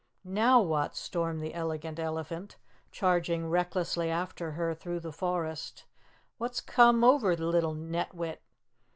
"Now what?" stormed the Elegant Elephant, charging recklessly after her through the forest. "What's come over the little netwit?